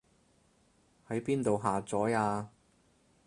喺邊度下載啊